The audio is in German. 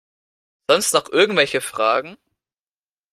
Sonst noch irgendwelche Fragen?